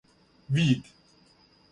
вид